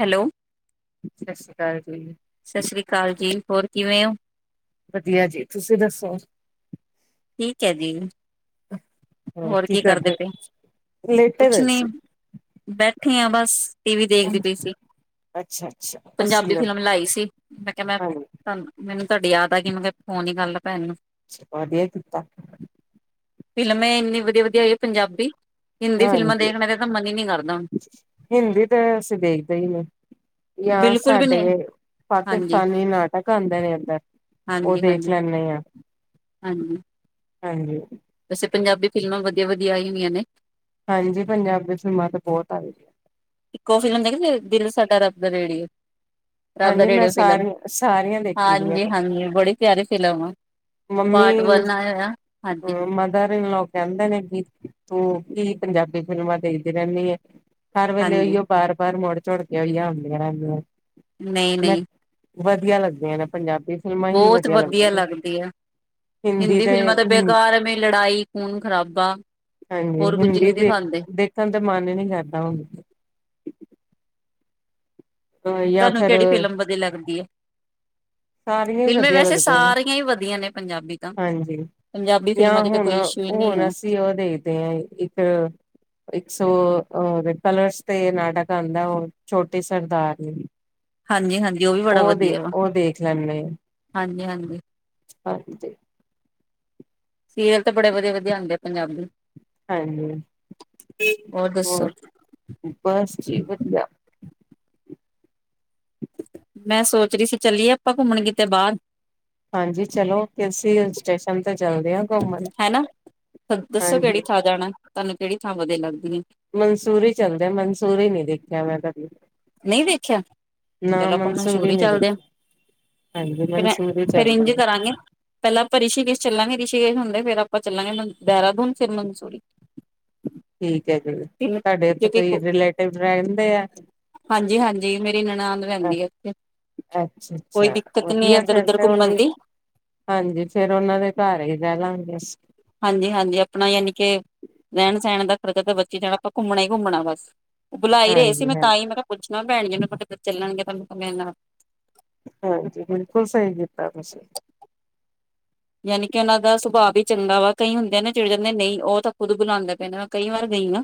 Hello! ਹਾਂਜ ਸਤਿ ਸ੍ਰੀ ਅਕਾਲ ਜੀ। ਹੋਰ ਕਿਵੇਂ ੳਂ? ਵਧੀਆ ਜੀ, ਤੁਸੀਂ ਦੱਸੋ। ਠੀਕ ਹੈ, ਜੀ। ਹੋਰ ਕੀ ਕਰਦੇ ਲੇਟੇ ਪੇ ਸੀ। ੱਠੀ, ਆ ਬਸ। ਟੀ ਵੀ ਦੇਖਦੀ ਪਈ ਸੀ। ਅੱਛਾ ਅੱਛਾ ਪੰਜਾਬੀ ਅਸੀਂ ਫਿਲਮ ਲਾਈ ਸੀ, ਮੈਂ ਕਿਹਾ ਮੈਂ ਹਾਂਜੀ ਤੁਹਾਨੂੰ ਮੈਨੂੰ ਤੁਹਾਡੀ ਯਾਦ ਆ ਗਈ, ਮੈ ਕਿਆ ਫੋਨ ਹੀ ਕਾਲਾਂ ਵਧੀਆ ਕੀਤਾ। ਫ਼ਿਲਮ ਇੰਨੀ ਵਧੀਆ- ਵਧੀਆ ਆਈ, ਪੰਜਾਬੀ। ਹਿੰਦੀ ਫਿਲਮਾਂ ਹਾਂਜੀ ਦੇਖਣੇ ਦਾ ਤਾਂ ਮਨ ਹੀ ਨਹੀਂ ਕਰਦਾ ਹੁਣ ਹਿੰਦੀ ਤਾਂ ਅਸੀਂ ਦੇਖਦੇ ਹੀ ਨਹੀਂ, ਯਾ ਬਿਲਕੁਲ ਵੀ ਸਾਡੇ ਨਹੀਂ ਹਾਂਜੀ ਪਾਕਿਸਤਾਨੀ ਨਾਟਕ ਆਂਦੇ ਨੇ ਏੱਧਰ ਉਹ ਹਾਂਜੀ ਦੇਖ ਹਾਂਜੀ ਲੈਂਦੇ ਹਾਂ। ਹਾਂਜੀ ਹਾਂਜੀ। ਵੈਸੇ, ਪੰਜਾਬੀ ਫਿਲਮਾਂ ਵਧੀਆ-ਵਧੀਆ ਆਈ ਨੀਆ ਨੇ। ਹਾਂਜੀ। ਪੰਜਾਬ ਵਿੱਚ ਤ ਲਮਾਂ ਤੇ ਬਹੁਤ ਆਂ ਦਆਂ ਰੇਡੀ ਹੈ‌ ਰਬ ਦਾ ਹਾਂਜੀ ਮੈਂ ਰੇਡੀਓ, ਫਿਲਮ ਸਾਰੀਆਂ ਸਾਰੀਆਂ ਦੇਖੀ ਦੀਆਂ ਨੇ ਹਾਂਜੀ-ਹਾਂਜੀ ਬੜੀ ਪਿਆਰੀ ਲਵਾਂ ਮੰਮੀ। ਹਾਂਜੀ ਮਦਾਰੀਨ ਲੋਕ ਕੈਂਦੇ ਨੇ ਗੀਤ ਤੂੰ ਕੀ, ਪੰਜਾਬੀ ਫ਼ਿਲਮਾਂ ਦੇਖਦੀ ਰਹਿੰਨੀ ਏ। ਕਾਰ ਵੇਲੇ ਹਾਂਜੀ ਏਈਉ ਬਾਰ-ਬਾਰ ਮੋੜ ਝੁੜ ਕੇ ਆਈਆ ਹੁੰਦੀਆਂ ਰੇਂਦੀਆਂ ਨੇ। ਨਹੀਂ, ਨਹੀਂ। ਵਧੀਆ ਲੱਗਦੀਆਂ ਨੇ। ਪੰਜਾਬੀ ਫਿਲਮਾਂ ਹੀ, ਬਹੁਤ ਵਧੀਆ ਲੱਗਦੀਆਂ ਨੇਂ। ਲੱਗਦੀ ਆ ਹਿੰਦੀ ਫਿਲਮਾਂ ਦਾ, ਬੇਕਾਰ ਐਵੇਂ ਲੜਾਈ ਖੂਨ- ਖ਼ਰਾਬਾ। ਹਾਂਜੀ। ਹਿੰਦੀ ਦੇਖ-ਦੇਖਣ ਦਾ ਮਨ ਹੀ ਨਹੀਂ ਕਰਦਾ ਹੁਣ। ਜਾਂ ਤੁਹਾਨੂੰ ਫਿਰ ਕਿਹੜੀ ਫਿਲਮ ਵਧੀਆ ਲੱਗਦੀ ਹੈ? ਸਾਰੀਆਂ ਹੀ ਫਿਲਮੇ ਵਧੀਆ ਵੈਸੇ ਲੱਗਦੀਆਂ ਨੇ ਸਾਰੀਆਂ ਹੀ ਵਧੀਆ ਨੇ ਪੰਜਾਬੀ ਤਾਂ ਹਾਂਜੀ ਪੰਜਾਬੀ ਫਿਲਮਾਂ ਯਾਂ ਚ ਤਾਂ ਹੁਣ, ਕੋਈ ਇਸ਼ੂ ਹੀ ਨਹੀਂ ਹੁਣ ਹੈ ਅਸੀਂ ਉਹ ਦੇਖਦੇ ਹ ਇੱਕ-ਇੱਕ ਸੌ ਓਹ ਕਲਰਸ ਤੇ, ਨਾਟਕ ਆਂਦਾ ਉਹ ਛੋਟੀ ਸਰਦਾਰਨੀ। ਹਾਂਜੀ-ਹਾਂਜੀ, ਉਹ ਵੀ ਬੜਾ ਦੇ ਵਧੀਆ ਵਾ ਉਹ ਦੇਖ ਲੈਂਨੇ ਹਾਂਜੀ ਹਾਂਜੀ ਆ ਹਾਂਜੀ। ਸੀਰੀਅਲ ਤੇ ਬੜੇ ਵਧੀਆ ਵਧੀਆ ਆਉਦੇ ਪੰਜਾਬੀ ਹਾਂਜੀ ਹੋਰ ਬਸ ਜੀ ਵਧੀਆ ਮੈਂ ਸੋਚ ਰਹੀ ਸੀ ਚੱਲੀਏ ਆਪਾਂ ਘੁੰਮਣ ਕੀਤੇ ਬਾਹਰ ਹਾਂਜੀ ਚਲੋ ਕਿਸੀ ਹਿਲ ਸਟੇਸ਼ਨ ਤੇ ਚਲਦੇ ਆ ਘੁੰਮਣ ਹੈਨਾ ਦੱਸੋ ਕਿਹੜੀ ਹਾਂਜੀ। ਥਾਂ ਜਾਣਾ ਤੁਹਾਨੂੰ ਕਿਹੜੀ ਥਾਂ ਵਧੀਆ ਲਗਦੀ ਮਨਸੂਰੀ ਚੱਲਦੇ ਆ ਮਨਸੂਰੀ ਨਹੀਂ ਦੇਖਿਆ ਮੈਂ ਕਦੀ ਨਹੀਂ ਦੇਖਿਆ ਨਾ ਚਲੋ ਆਪਾਂ ਮਨਸੂਰੀ ਨੀ ਚੱਲਦੇ ਆ ਦੇਖੀ। ਹਾਂਜੀ ਫੇਰ ਮੈਂ ਮਨਸੂਰੀ ਫੇਰ ਚੱਲਦੇ ਇੰਝ ਆ। ਕਰਾਂਗੇ ਪਹਿਲਾਂ ਆਪਾਂ ਰਿਸ਼ੀ ਕੇਸ਼ ਚੱਲਾਂਗੇ ਰਿਸ਼ੀ ਚੇਜ ਹੁੰਦੇ ਫੇਰ ਆਪਾਂ ਚੱਲਾਂਗੇ ਮਨ ਦੇਹਰਾਦੂਨ ਫਿਰ ਮਨਸੂਰੀ ਠੀਕ ਤਿੰਨ ਤੁਹਾਡੇ ਓਥੇ ਕਿਉਂਕਿ ਕੋਈ ਰਲੇਟਿਵ ਰਹਿਦੇਂ ਆ ਹਾਂਜੀ ਹਾਂਜੀ ਮੇਰੀ ਨਨਾਨ ਰਹਿੰਦੀ ਹੈ ਇੱਥੇ ਅੱਛਾ ਕੋਈ ਅੱਛਾ ਦਿੱਕਤ ਨੀ ਵਧੀਆ ਇੱਧਰ ਫਿਰ ਉਧਰ ਤੇ ਘੁੰਮਣ ਓਹਨੁੰ ਦੀ ਹਾਂਜੀ ਫਿਰ ਉਹਨਾਂ ਦੇ ਘਰ ਹੀ ਰਹਿ ਲਾਂਗੇ ਬਸ ਹਾਂਜੀ ਹਾਂਜੀ ਆਪਣਾ ਯਾਨੀ ਕਿ ਰਹਿਣ ਸਹਿਣ ਦਾ ਖਰਚਾ ਤਾਂ ਬੱਚੇ ਜਾਣਾ ਆਪਾਂ ਘੁੰਮਣਾ ਹੀ ਘੁੰਮਣਾ ਬਸ ਬੁਲਾਈ ਰਹੇ ਸੀ ਹਾਂਜੀ ਮੈਂ ਹਾਂਜੀ। ਤਾਂਈ ਮੈਂ ਕਿਹਾ ਪੁੱਛਾ ਨਾ ਭੈਣਜੀ ਮੈਂ ਕਿਹਾ ਕਿਤੇ ਚੱਲਣਗੇ ਪਰ ਮੇਰੇ ਨਾਲ ਹਾਂਜੀ ਬਿਲਕੁਲ ਸਹੀ ਕੀਤਾ ਤੁਸੀਂ ਯਾਨੀ ਕਿ ਉਹਨਾਂ ਦਾ ਸੁਭਾਅ ਵੀ ਚੰਗਾ ਵਾ ਕਈ ਹੁੰਦੇ ਆਂ ਨਾ ਚਿੜ ਜਾਂਦੇ ਨਹੀਂ ਉਹ ਤਾਂ ਖੁਦ ਬੁਲਾਉਂਦੇ ਪਏ ਨੇ ਮੈਂ ਕਈ ਵਾਰ ਗਈ ਹਾਂ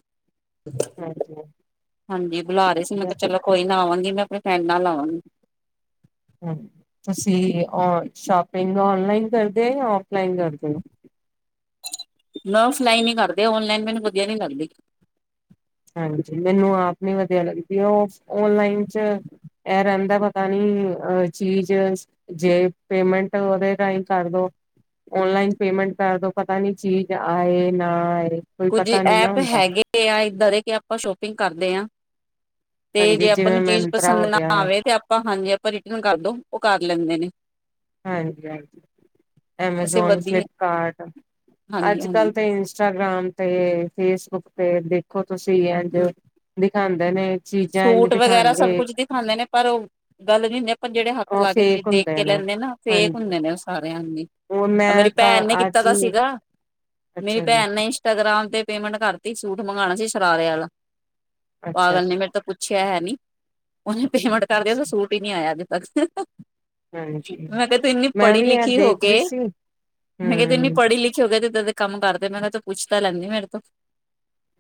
ਹਾਂਜੀ। ਹਾਂਜੀ ਬੁਲਾ ਰੇ ਸੀ ਮੈਂ ਕਿਹਾ ਚਲੋ ਕੋਈ ਨਾ ਆਵਾਂਗੀ ਮੈਂ ਆਪਣੀ ਭੈਣ ਨਾਲ ਆਵਾਂਗੀ ਹਮ ਤੁਸੀਂ ਔ ਸ਼ਾਪਿੰਗ ਔਨਲਾਈਨ ਕਰਦੇ ਹੋ ਯਾਂ ਆ ਫਲਾਇਨ ਕਰਦੇ ਹੋ ਮੈ ਆਫਲਾਈਨ ਹੀ ਕਰਦੇ ਔਨਲਾਈਨ ਮੈਨੂੰ ਵਧੀਆ ਨਹੀਂੀ ਲੱਗਦੀ ਹਾਂਜੀ ਮੈਨੂੰ ਆਪ ਨੀ ਵਧੀਆ ਲੱਗਦੀ ਉਹ ਓਨਲਾਈਨ ਚ ਇਹ ਰਹਿੰਦਾ ਪਤਾ ਨੀ ਚੀਜ਼ ਜੇ ਪੇਮੈਂਟ ਓਦੇ ਰਾਹੀਂ ਕਰਦੋ ਓਨਲਾਈਨ ਪੇਮੈਂਟ ਕਰਦੋ ਪਤਾ ਨੀ ਚੀਜ਼ ਆਏ ਨਾ ਆਏ ਕੋਈ ਕੁੱਝ ਪਤਾ ਨੀ ਨਾ ਐਪ ਹੁੰਦਾ ਹੈਗੇ ਆ ਏਦਾ ਦੇ ਕਿ ਆਪਾਂ ਸ਼ੋਪਿੰਗ ਕਰਦੇ ਹਾਂ ਤੇ ਹਾਂਜੀ ਜੇ ਆਪਾਂ ਜਿਵੇਂ ਨੂੰ ਚੀਜ਼ ਮੰਤਰਾ ਹੋ ਪਸੰਦ ਨਾ ਗਿਆ ਆਵੇ ਤੇ ਆਪਾਂ ਹਾਂਜੀ ਆਪਾਂ ਰਿਟਰਨ ਕਰਦੋ ਕਰ ਲੈਂਦੇ ਨੇ ਹਾਂਜੀ ਹਾਂਜੀ ਵੈਸੇ ਐਮਾਜੋਨ ਵਧੀਆ ਫਲਿਪਕਾਰਟ ਹਾਂਜੀ ਅੱਜ ਹਾਂਜੀ ਕੱਲ ਤਾਂ ਇੰਸਟਾਗ੍ਰਾਮ ਤੇ ਫੇਸਬੁੱਕ ਤੇ ਦੇਖੋ ਤੁ ਸਹੀ ਇਹਦੇਓ ਹੂੰ [unintelligible] ਖਾਂਦੇ ਨੇ ਚੀਜ਼ਾਂ ਇੰਝ ਸੂਟ ਵਗੈਰਾ ਸਭ ਦਿਖਾਉਣਗੇ ਕੁਝ ਦਿਖਾਂਦੇ ਨੇ ਪਰ ਉਹ ਗੱਲ ਨੀ ਹੁੰਦੀ ਆਪਾਂ ਜਿਹੜੇ ਹੱਥ ਉਹ ਲਾਗੇ ਚੀਜ਼ ਫੇਕ ਦੇਖ ਹੁੰਦੇ ਕੇ ਨੇ ਲੈਂਦੇ ਨਾ ਫੇਕ ਹਾਂਜੀ ਹੁੰਦੇ ਨੇ ਉਹ ਸਾਰਿਆਂਨੀ ਉਹ ਆਹ ਮੈਂ ਮੇਰੀ ਕ ਭੈਣ ਨੇ ਕੀਤਾ ਅੱਜ ਤਾਂ ਹੀ ਸੀਗਾ ਮੇਰੀ ਅੱਛਾ ਜੀ, ਭੈਨ ਨੇ ਇੰਸਟਾਗ੍ਰਾਮ ਤੇ ਪੇਮੈਂਟ ਕਰਤੀ ਸੂਟ ਮੰਗਾਣਾ ਸੀ ਸ਼ਰਾਰੇ ਵਾਲਾ। ਅੱਛਾ ਪਾਗਲ ਨੇ ਅੱਛਾ। ਮੇਰੇ ਤੋਂ ਪੁੱਛਿਆ ਹੈ ਨੀ ਉਹ ਨੀਂ ਪੇਮੈਂਟ ਕਰਦੇ ਆ ਤੇ ਸੂਟ ਹੀ ਨੀਂ ਆਇਆ ਅ ਤਸ [unintelligible] ਹਾਂਜੀ ਮੈਂ ਕਿਹਾ ਤੂੰ ਇੰਨੀ ਮੈਂ ਪੜ੍ਹੀ ਵੀ ਇਹ ਲਿਖੀ ਹੋ ਦੇਖ ਕੇ ਰਹੀ ਸੀ। ਮੈਂ ਕਿਹਾ ਤੂੰ ਇੰਨੀ ਹੂੰ, ਪੜ੍ਹੀ ਲਿਖੀ ਹੋ ਗ ਤੇ ਕੰਮ ਕਰਦੇ ਮੈਂ ਉਹ ਤੋਂ ਪੁੱਛ ਤਾਂ ਲੈਂਦੀ ਮੇਰੇ ਤੋਂ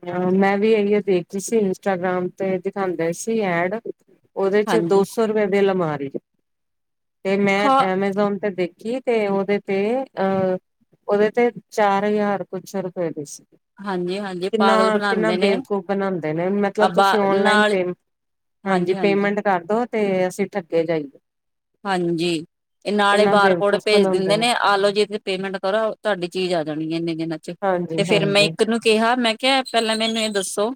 ਹਾਂ ਮੈਂ ਵੀ ਇਹੀ ਦੇਖਰੀ ਸੀ ਇੰਸਟਾਗ੍ਰਾਮ ਤੇ ਦਿਖਾਉਂਦੇ ਸੀ ਐਡ ਉਹਦੇ ਚ ਦੋ ਹਾਂਜੀ ਸੋ ਰੁਪਏ ਬਿੱਲ ਮਾਰ [unintelligible] ਤੇ ਮੈਂ ਹਾਂ ਐਮਾਜ਼ੋਨ ਤੇ ਦੇਖ ਕੀ ਤੇ ਉਹਦੇ ਤੇ ਅਹ ਉਹਦੇ ਤੇ ਚਾਰ ਹਜ਼ਾਰ ਕੁਛ ਰੁਪਏ ਦੇ ਸੀ। ਹਾਂਜੀ ਹਾਂ। ਕਿੰਨਾ ਕਿੰਨਾ ਬੇਵਕੂਫ ਬਣਾਂਦੇ ਨੇ, ਮਤਲਬ ਅੱਬਾ ਤੁਸੀਂ ਔਨਲਾਇਨ ਨਾਲ ਪੇਮ ਹਾਂਜੀ ਪੇਮੈਂਟ ਕਰਦੋ ਤੇ ਅਸੀਂ ਠੱਗੇ ਜਾਈ ਹਾਂਜੀ ਨਾਲ ਹੀ ਬਾਰ ਕੋਡ ਬੇਵਕੂਫ ਭੇਜ ਬਣਾਂਦੇ ਦਿੰਦੇ ਨੇ ਆ ਲੋ ਜੀ ਪੇਮੈਂਟ ਕਰੋ ਤੁਹਾਡੀ ਚੀਜ਼ ਆ ਜਾਣੀ ਇਨੇ ਦ ਹਾਂਜੀ, ਤੇ ਫੇਰ ਮੈਂ ਹਾਂਜੀ। ਇੱਕ ਨੂੰ ਕਿਹਾ ਮੈਂ ਕਿਆ ਪਹਿਲਾਂ ਮੈਨੂੰ ਇਹ ਦੱਸੋ।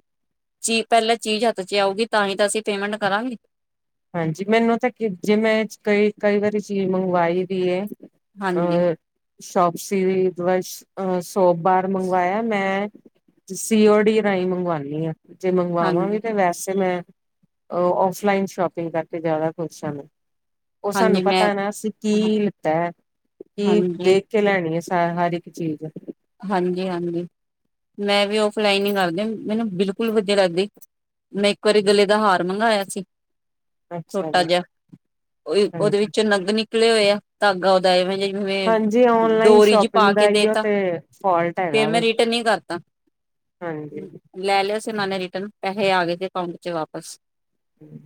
ਚੀ ਪਹਿਲਾਂ ਚੀਜ਼ ਹੱਥ ਚ ਆਊਗੀ ਤਾਂ ਹੀ ਤਾਂ ਅਸੀਂ ਪੇਮੈਂਟ ਕਰਾਂਗੇ। ਹਾਂਜੀ ਮੈਨੂੰ ਤਾਂ ਜੇ ਮੈਂ ਕਈ ਕਈ ਵਾਰੀ ਚੀਜ਼ ਮੰਗਵਾਈ ਵੀ ਹਾਂਜੀ। ਸ਼ੋਪ ਸੀਰੀ ਵ ਅ ਸੋਪ ਬਾਰ ਮੰਗਵਾਇਆ ਮੈਂ ਸੀਓ ਡੀ ਰਾਹੀਂ ਮੰਗਵਾਣੀ ਆਂ। ਜੇ ਹਾਂਜੀ ਮੰਗਵਾਵਾਂਗੇ ਤੇ ਵੈਸੇ ਮੈਂ ਅ ਔਫਲਾਈਨ ਸ਼ੋਪ ਤੇਰੇ ਕਰਕੇ ਜਿਆਦਾ ਖੁਸ਼ ਆਣ ਉਹ ਸਾਨੂੰ ਹਾਂਜੀ ਪਤਾ ਮੈਂ ਆਨਾਂ ਅਸੀਂ ਕੀ ਲਿੱਤਾ ਐ ਕੀ ਹਾਂਜੀ ਦੇਖ ਕੇ ਲੈਣੀ ਅਸੀ ਹ ਹਰ ਇੱਕ ਚੀਜ਼ ਜੀ ਹਾਂਜੀ ਮੈਂ ਵੀ ਔਫਲਾਈਨ ਹੀ ਕਰਦੇ ਮੈਨੂੰ ਬਿਲਕੁਲ ਵਧੀਆ ਲੱਗਦੀ ਮੈਂ ਇੱਕ ਵਾਰੀ ਗਲੇ ਦਾ ਹਾਰ ਮੰਗਾਇਆ ਸੀ। ਅੱਛਾ ਛੋਟਾ ਜੀ ਜਿਹਾ ਉਹਦੇ ਹਾਂਜੀ ਵਿੱਚੋ ਨਗਨੀ ਨਿਕਲੇ ਹੋਏ ਆ ਧਾਗਾ ਉਹਦਾ ਐਵੇਂ ਜੀ ਹਾਂਜੀ ਜਿਵੇਂ ਔਨਲਾਈਨ ਡੋਰੀ ਪਾ ਸ਼ੋਪਿੰਗ ਦਾ ਕੇ ਇਹੀਓ ਦੇਤਾ ਤੇ ਫੋਲਟ ਫੇਰ ਹੈਗਾ ਮੈਂ ਵਾ ਰਿਟਨ ਹੀ ਕਰਤਾ, ਹਾਂਜੀ ਲੈ ਲਿਆ ਸੀ। ਨਾਲੇ ਰਿਟਰਨ ਪੈਹੇ ਆ ਗਏ ਤੇ ਅਕਾਊਂਟ ਚ ਵਾਪਸ ਹਂ।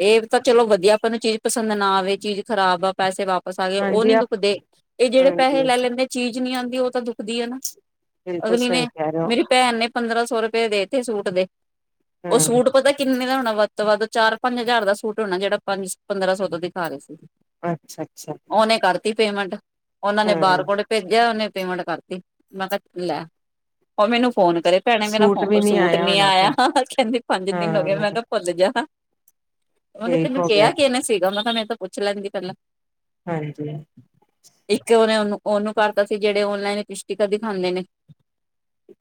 ਇਹ ਵੀ ਤਾਂ ਚਲੋ ਵਧੀਆ ਆਪਾਂ ਨੂੰ ਚੀਜ਼ ਪਸੰਦ ਨਾ ਆਵੇ ਚੀਜ਼ ਖਰਾਬ ਆ ਪੈਸੇ ਵਾਪ ਸ ਆਏ ਉਹ ਹਾਂਜੀ ਨੀ ਦੁਖਦੇ ਇਹ ਜਿਹੜੇ ਹਾਂਜੀ ਪੈਸੇ ਲੈ ਲੈਂਦੇ [inaudible] ਚੀਜ਼ ਨੀ ਆਉਂਦੀ ਉਹ ਤਾਂ ਦੁ [inaudible] ਦੀ ਆ ਨਾ ਬਿਲਕੁਲ ਅਗਲੀ ਸਹੀ ਨੇ, ਕਹਿ ਰਹੇ ਹੋ ਮੇਰੀ ਭੈਣ ਨੇ ਪੰਦਰਾਂ ਸੌ ਰੁਪਏ ਦੇਤੇ ਸੂਟ ਦੇ। ਉਹ ਹਮ ਸੂਟ ਪਤਾ ਕਿੰਨੇ ਦਾ ਹੋਨ ਵੱਧ ਤੋਂ ਵੱਧ ਚਾਰ ਪੰਜ ਹਜ਼ਾਰ ਦਾ ਸੂਟ ਹੋਣਾ, ਜਿਹੜਾ ਪੰਦਰਾਂ ਸੌ ਦਾ ਦਿਖਾ ਰਹੇ ਸੀ। ਅੱਛਾ, ਅੱਛਾ। ਉਹਨੇ ਕਰਤੀ ਪੇਮੈਂਟ? ਉਹਨਾਂ ਨੇ ਬਾਰ ਕੋਡ ਜ ਉਹਨੇ ਪੇਮੈਂਟ ਕਰਤੀ, ਮੈਂ ਕਿਹਾ ਲੈ ਉਹ ਮੈਨੂੰ ਫੋਨ ਕਰੇ ਭੈਣੇ ਮੇਰਾ ਸੂਟ ਵੀ ਸੂਟ ਨੀ ਹੋਣਾ ਆਇਆ, ਫਿਰ ਕਹਿੰਦੇ ਪੰਜ ਦਿਨ ਹੋ ਗਏ, ਹਾਂ ਮੈਂ ਕਿਆ ਭੁੱਲ ਜਾ। ਉਹਨੇ ਠੀਕ ਤੈਨੂੰ ਹੋ ਕਿਹਾ ਗਿਆ ਕਿਹਨੇ ਸੀਗਾ ਮੈਂ ਪੁੱਛ ਲੈਣਗੇ ਪਹਿਲਾਂ। ਹਾਂਜੀ। ਇੱਕ ਉਹਨੇ ਉਹਨੂੰ [inaudible] ਉਹਨੂੰ ਕਰਤਾ ਸੀ, ਜਿਹੜੇ ਔਨਲਾਈਨ ਲਿਪਸਟਿਕਾਂ ਦਿਖਾਂਦੇ ਨੇ।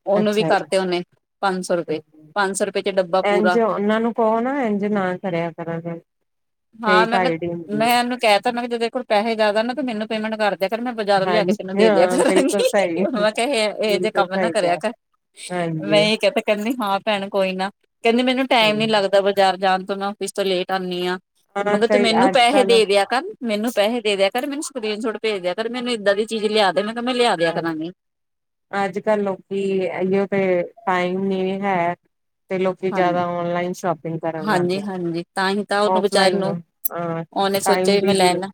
ਉਹਨੂੰ ਵੀ ਅੱਛਾ ਜੀ ਕਰਤੇ, ਉਹਨੇ ਪੰਜ ਸੌ ਰੁਪਏ- ਹਮ, ਪੰਜ ਸੌ ਰੁਪਏ ਚ ਡੱਬਾ ਇੰਝ ਪੂਰਾ, ਉਹਨਾਂ ਨੂੰ ਕਹੋ ਨਾ ਇੰਝ ਨਾ ਕਰਿਆ ਕਰਨ ਹਾਂ ਫੇਕ ਮੈਂ ਆਈਡੀ ਕਿਹਾ ਹੁੰਦੀ ਮੈਂ ਹੈ ਇਹਨੂੰ ਕਹਿ ਤਾ, ਮੈਂ ਕਿਹਾ ਜਦ ਤੇਰੇ ਕੋਲ ਪੈਹੇ ਜ਼ਿਆਦਾ ਨਾ ਮੈਨੂੰ ਪੇਮੈਂਟ ਕਰ ਦਿਆ ਕਰ ਬਜ਼ਾਰੋ ਲਿਆ ਕੇ ਤੈਨੂੰ ਹਾਂਜੀ ਦੇ ਦਿਆ ਹਾਂ ਬਿਲਕੁਲ ਕਰਾਂਗੀ, ਸਹੀ ਮੈਂ ਕਿਹਾ ਇਹੋ ਜਿਹੇ ਬਿਲਕੁਲ ਕੰਮ ਨਾ ਸਹੀ ਕਰਿਆ ਕਿਹਾ ਕਰ, ਮੈਂ ਹਾਂਜੀ ਇਹ ਕਹਿ ਕਹਿੰਦੀ ਹਾਂ ਭੈਣ ਕੋਈ ਨਾ, ਕਹਿੰਦੀ ਮੈਨੂੰ ਟਾਈਮ ਹਮ। ਨੀ ਲੱਗਦਾ ਬਾਜ਼ਾਰ ਜਾਣ ਮੈਂ ਆਫਿਸ ਤੋ ਲੇਟ ਆਂਨੀ ਆਂ। ਹਾਂ ਮਗਰ ਤੂੰ ਸਹੀ ਮੈਨੂੰ ਅੱਜ ਪੈਹੇ ਕੱਲ ਦੇ ਦਿਆ ਕਰ, ਮੈਨੂੰ ਪੈਹੇ ਦੇ ਦਿਆ [unintelligible] ਮੈਨੂੰ ਏਦਾਂ ਦੀ ਚੀਜ਼ ਲਿਆ ਦੇ ਮੈਂ ਕਿਹਾ ਮੈਂ ਲਿਆ ਦਿਆ ਹਾਂਜੀ ਕਰਾਂਗੀ ਅੱਜ- ਕੱਲ ਲੋਕੀ ਇਓ ਤੇ ਟਾਈਮ ਨੀ ਹੈ। ਤੇ ਲੋਕੀ ਹਾਂਜੀ ਜਿਆਦਾ ਔਨਲਾਈਨ ਸ਼ੋਪਿੰਗ ਕਰਨ ਲੱਗ ਹਾਂਜੀ ਗਏ। ਹਾਂਜੀ ਤਾਂ ਹੀ ਤਾਂ ਉਹਨੂੰ ਔਫ ਵਿਚਾਰੇ ਲਈਨ ਨੂੰ ਅ ਉਹਨੇ ਸੋਚਿਆ ਟਾਈਮ ਵੀ ਮੈਂ ਦੀ ਲੈ ਲਾ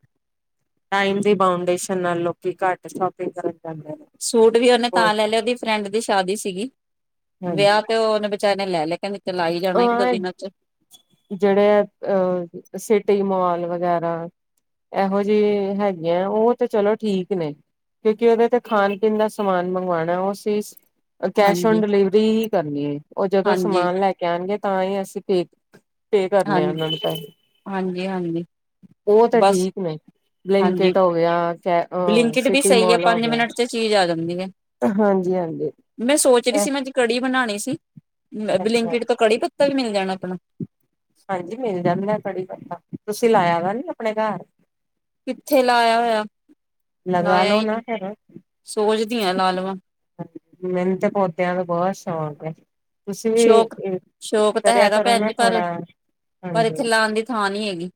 ਟਾਈਮ ਦੀ ਬਾਉਂਡੇਸ਼ਨ ਨਾਲ ਲੋਕੀ ਘੱਟ ਸੋ਼ਪਿਂਗ ਕਰਨ ਜਾਂਦੇ ਨੇ ਸੂਟ ਵੀ ਉਹਨੇ ਉਹ ਤਾਂ ਲੈ ਲਿਆ, ਉਹਦੀ ਫਰੈਂਡ ਦੀ ਸ਼ਾਦੀ ਸੀਗੀ। ਹਾਂਜੀ। ਵਿਆਹ ਤੇ ਉਹਨੇ ਣੇ ਲੈ ਲੇ ਕੇਂਦੀ [inaudible] ਅ ਜਿਹੜੇ ਅਹ ਸਿਟੀ ਮੋਲ ਵ ਵਗੈਰਾ ਇਹੋ ਜਿਹੀ ਹੈਗੀਆਂ, ਉਹ ਤੇ ਚਲੋ ਠੀਕ ਨੇ, ਕਿਉਂਕਿ ਉਹਦੇ ਤੇ ਖਾਣ ਪੀਣ ਦਾ ਸਮਾਨ ਮੰਗਵਾਉਣਾ ਉਹ ਸੀ ਕੈਸ਼ ਹਾਂਜੀ ਓਨ ਡਿਲੀਵਰੀ ਹੀ ਕਰਨੀ ਹੈ, ਉਹ ਜਦੋਂ ਹਾਂਜੀ ਸਮਾਨ ਲੈ ਕੇ ਗੇ ਤਾਂ ਹੀ ਅਸੀਂ ਪੇ ਪੇ ਹਾਂ ਕਰਨੇ ਆ ਉਹਨਾਂ ਨੂੰ ਪੈਸੇ, ਹਾਂਜੀ ਹਾਂਜੀ ਉਹ ਤੇ ਬਸ ਠੀਕ ਨੇ ਬਲਿੰਕਿਟ ਹੋ ਗਿਆ ਬਲਿੰਕਟ ਵੀ ਸਿਟੀ ਸਹੀ ਹੈ ਮੋਲ ਹੋ ਪੰਜ ਗਿਆ ਮਿੰਟ ਚ ਚੀਜ਼ ਆ ਜਾਂਦੀ ਹੈ ਹਾਂਜੀ-ਹਾਂਜੀ। ਮੈਂ ਸੋਚ ਰਹੀ ਸੀ ਮੈਂ ਅੱਜ ਕੜੀ ਬਣਾਉਣੀ [unintelligible] ਅੱਛਾ। ਬਲਿੰਕਿਟ ਤੋਂ ਕੜੀ ਪੱਤਾ ਵੀ ਮਿਲ ਜਾਣਾ ਅਪਣਾ। ਹਾਂਜੀ ਮਿਲ ਜਾਂਦਾ ਐ ਕੜੀ ਪਤਾ। ਤੁਸੀਂ ਲਾਇਆ ਵਾ ਨੀ ਆਪਣੇ ਘਰ? ਕਿੱਥੇ ਲਾਇਆ ਹੋਇਆ। ਲਗਾ ਲਾਇਆ ਲੋ ਹੀ ਨਹੀ ਨਾ ਫਿਰ ਸੋਚਦੀਆਂ ਲਾ ਲਵਾਂ। ਮੈਨੂੰ ਤੇ ਪੌਦਿਆਂ ਦਾ ਬਹੁਤ ਸ਼ੌਕ ਹੈ। ਤੁਸੀਂ ਵੀ ਸ਼ੌਕ, ਸ਼ੌਕ ਤਾਂ ਕਰਿਆ ਹੈਗਾ ਕਰੋ ਭੈਣ ਨਾ ਜੀ ਪਰ, ਥੋੜਾ ਪਰ ਹਾਂਜੀ ਇੱਥੇ ਲਉਣ ਦੀ ਥਾਂ ਨਹੀ ਹੈਗੀ।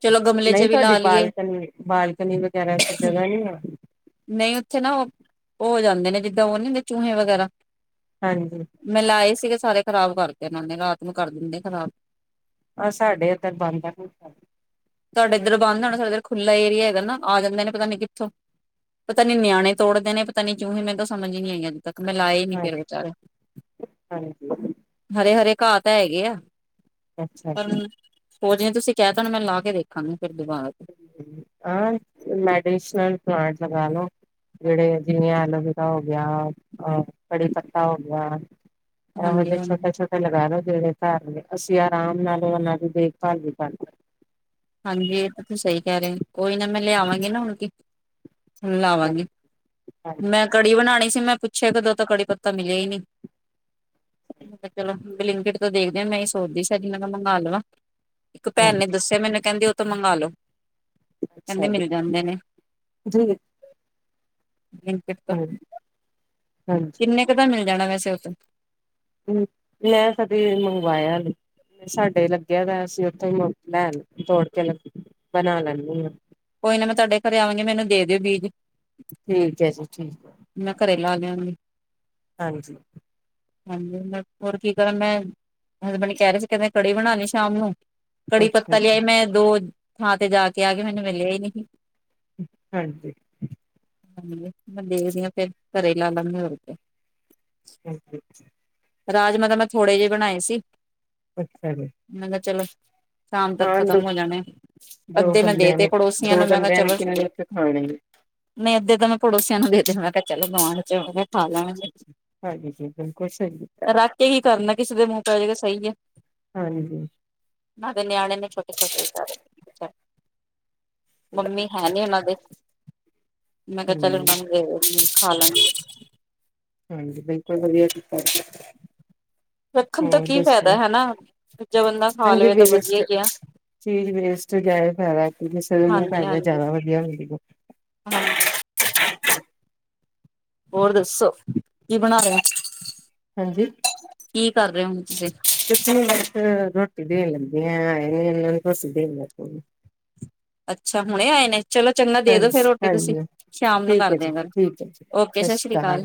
ਚਲੋ ਗਮਲੇ ਚ ਨਹੀਂ ਵੀ ਤੁਹਾਡੀ ਲਾ ਲਈਏ ਬਾਲਕਨੀ-ਬਾਲਕਨੀ ਵਗੈਰਾ ਚ ਜਗ੍ਹਾ ਨੀ ਆ। ਨਹੀਂ ਉੱਥੇ ਨਾ ਉਹ ਹੋ ਜਾਂਦੇ ਨੇ ਜਿੱਦਾਂ ਉਹ ਨੀ ਹੁੰਦੇ ਚੂਹੇ ਵਗੈਰਾ। ਹਾਂਜੀ ਮੈਂ ਲਾਏ ਸੀਗੇ ਸਾਰੇ ਖ਼ਰਾਬ ਕਰਕੇ ਇਹਨਾਂ ਨੇ ਰਾਤ ਨੂੰ ਕਰ ਦਿੰਦੇ ਖ਼ਰਾਬ। ਆਹ ਸਾਡੇ ਇੱਧਰ ਬੰਦਰ ਨੀ ਛਡਦੇ। ਤਹਾਡੇ ਇੱਧਰ ਬੰਦਰ ਆਣਾ ਸਾਡੇ ਇੱਧਰ ਖੁੱਲਾ ਏਰੀਆ ਹੈਗਾ ਨਾ ਆ ਜਾਂਦੇ ਨੇ ਪਤਾ ਨੀ ਕਿੱਥੋਂ। ਪਤਾ ਨੀ ਨਿਆਣੇ ਤੋੜਦੇ ਨੇ ਪਤਾ ਨੀ ਚੂਹੇ ਮੈਨੂੰ ਤਾ ਸਮਝ ਨੀ ਆਈ ਹ ਤੱਕ ਮੈਂ ਲਾਏ ਨੀ ਫੇਰ ਹਾਂਜੀ ਵਿਚਾਰੇ ਹਾਂਜੀ ਹਰੇ ਹਰੇ ਘਾਹ ਤਾਂ ਹੈਗੇ ਆ। ਅੱਛਾ ਜੀ। ਹੋਰ ਜੇ ਤੁਸੀ ਕਹਿ ਤਾ ਨ ਮੈਂ ਲਾ ਕੇ ਦੇਖਾਂਗੀ। ਫਿਰ ਦੁਬਾਰਾ ਤੋਂ [unintelligible] ਮੈਡੀਸਨਲ ਪਲਾਟ ਲਗਾ ਲੋ ਜਿਹੜੇ ਜਿਵੇਂ ਐਲੋਵਿਰਾ ਹੋ ਗਿਆ ਅਹ ਕੜੀ ਪੱਤਾ ਹੋ ਗਿਆ। ਇਹੋ ਹਾਂਜੀ ਜੇ ਹਾਂਜੀ ਛੋਟੇ-ਛੋਟੇ ਲਗਾ ਲੋ। ਜਿਹੜੇ ਘਰ ਨੇ ਅਸੀਂ ਆਰਾਮ ਨਾਲ ਉਹਨਾਂ ਦੀ ਦੇਖਭਾਲ ਵੀ ਕਰਦੇ ਹਾਂਜੀ। ਤੁਸੀ ਸਹੀ ਕਹਿ ਰਹੇ ਕੋਈ ਨਾ ਮੈਂ ਲਿਆਵਾਂਗੀ ਨਾ ਹੁਣ ਕੇ ਲਾਵਾਂਗੀ ਮੈਂ ਹਾਂਜੀ ਕੜੀ ਬਣਾਉਣੀ ਸੀ ਮੈਂ ਪੁ ਛਿਆ ਕਦੋ ਤਾਂ ਕੜੀ ਪੱਤਾ ਮਿਲਿਆ ਈ ਨੀ, ਮੈਂ ਚਲੋ ਬਲੀਂਕਿਟ ਤੋਂ ਦੇਖਦੇ ਆ ਮੈਂ ਏ ਸੋਚਦੀ ਸੀ ਮੰਗਵਾ ਲਵਾ। ਇੱਕ ਭੈਣ ਹਾਂਜੀ ਨੇ ਦੱਸਿਆ ਮੈਨੂੰ ਓ ਤੋਂ ਮੰਗ ਲੋ। ਕਹਿੰਦੇ ਅੱਛਾ ਜੀ ਮਿਲ ਜਾਂਦੇ ਨੇ। ਜੀ ਬਲਿੰਕਿਟ ਤੋਂ। ਹਾਂ ਹਾਂਜੀ ਕਿੰਨੇ ਕੁ ਦਾ ਮਿਲ ਜਾਣਾ ਵੈਸ [unintelligible] ਮੈਂ ਕਦੀ ਮੰਗਵਾਇਆ ਨੀ ਸਾਡੇ ਲੱਗਿਆ ਦਾ ਅਸੀਂ ਉੱਥੋ ਈ ਲੈ ਤੋੜ ਕੇ ਬਣਾ ਲੈਂਨੀ ਆ ਕੋਈ ਨਾ ਮੈਂ ਤੁਹਾਡੇ ਘਰੇ ਆਵਾਂਗੀ ਮੈਨੂੰ ਦੇ ਦਿਓ ਬੀਜ ਠੀਕ ਐ ਜੀ ਠੀਕ ਮੈਂ ਘਰੇ ਲਾ ਦਿਆਂਗੇ ਹਾਂਜੀ ਹਾਂਜੀ ਮੈਂ ਹੋਰ ਕੀ ਕਰਾਂ ਮੈਂ ਹਸਬੈਂਡ ਕਹਿ ਰਹੇ ਸੀ ਕਹਿੰਦੇ ਕੜੀ ਬਣਾਉਣੀ ਸ਼ਾਮ ਨੂੰ ਕੜੀ ਅੱਛਾ ਪੱਤਾ ਲਿਆਈ ਜੀ ਮੈਂ ਦੋ ਥਾਂ ਤੇ ਜਾ ਕੇ ਆ ਕੇ ਮੈਨੂੰ ਮਿਲਿਆ ਹੀ ਨਹੀਂ ਹਾਂਜੀ। ਮੈਂ ਦੇਖਦੀ ਆ ਫਿਰ ਘਰੇ ਲਾ ਲੈਂਦੇੇ ਹੋਰ ਕਿਆ ਹਾਂਜੀ ਰਾਜਮਾ ਤਾਂ ਮੈਂ ਥੋੜੇ ਜਿਹੇ ਬਣਾਏ ਸੀ ਅੱਛਾ ਜੀ ਮੈਂ ਕਿਹਾ ਚਲ ਸ਼ਾਮ ਤੱਕ ਹਾਂ ਖਤਮ ਦੋ ਹੋ ਜਾਣੇ ਦੋ ਅੱਧੇ ਮੈਂ ਬੰਦਿਆਂ ਦੇਤੇ ਨੇ ਪੜੋਸੀਆਂ ਦੋ ਨੂੰ ਮੈਂ ਕਿਹਾ ਬੰਦਿਆਂ ਨੇ ਚਲੋ ਕਿੰਨੇ ਕੁ ਖਾਣੇ ਨਹੀਂ ਅੱਧੇ ਤਾਂ ਮੈਂ ਪੜੋਸੀਆਂ ਨੂੰ ਦੇ ਮੈਂ ਕਿਹਾ ਚੱਲ ਗੁਆਂਢ ਖਾ ਲੈਣ ਗੇ ਹਾਂਜੀ ਜੀ ਬਿਲਕੁਲ ਸਹੀ ਕੀਤਾ ਰੱਖ ਕੇ ਕੀ ਕਰਨਾ ਕਿਸੇ ਦੇ ਮੂੰਹ [unintelligible] ਸਹੀ ਐ ਹਾਂਜੀ [unintelligible] ਨਿਆਣਿਆਂ ਨੇ ਛੋਟੇ ਛੋਟੇ ਘਰ ਮੰਮੀ ਹੈਨੀ ਉਹਨਾਂ ਦੇ ਮੈਂ ਕਿਹਾ ਚਲ ਹਮ [unintelligible] ਖਾ ਲਾ ਗੇ ਹਾਂਜੀ ਬਿਲਕੁਲ ਵਧੀਆ ਕੀਤਾ ਰੱਖਣ ਤੋਂ ਹੋਰ ਕੀ ਫਾਇਦਾ ਦੱਸੋ ਹਨਾ ਦੂਜਾ ਬੰਦਾ ਖਾ ਹਾਂਜੀ ਲਵੇ ਤਾਂ ਵਧੀਆ ਵੇਸਟ ਹੀ ਆ ਚੀਜ਼ ਵੇਸਟ ਜਾਏ ਫਾਇਦਾ ਕਿ, ਕਿਸੇ ਦੇ ਮੂੰਹ ਪੇ ਹਾਂਜੀ ਜਾਏ ਹਾਂਜੀ ਜਾਦਾ ਵਧੀਆ ਹੁੰਦੀ ਹੈ। ਹਾਂਜੀ ਹੋਰ ਦੱਸੋ, ਕੀ ਬਣਾ ਰਹੇ ਹੋ? ਹਾਂਜੀ ਕੀ ਕਰ ਰਹੇ ਹੋ ਹੁਣ ਤੁਸੀਂ [unintelligible] ਰੋਟੀ ਦੇਣ ਲੱਗੀੀਆਂ ਇਹਨਾਂ ਨੂੰਸੀ ਦੇਣ ਲੱ ਅੱਛਾ ਹੁਣੇ ਆਏ ਨੇ ਚਲੋ ਚੰਗਾ ਦੇ ਦੋ ਫਿਰ ਹਾਂਜੀ ਰੋਟੀ ਤੁਸੀਂ ਹਾਂਜੀ ਸ਼ਾਮ ਨੂੰ ਠੀਕ ਹੈ ਜੀ ਕਰਦੇ ਹੋ ਫਿਰ ਠੀਕ ਹੈ ਜੀ ਓਕੇ ਸਤਿ ਸ੍ਰੀ ਸ਼੍ਰੀ ਅਕਾਲ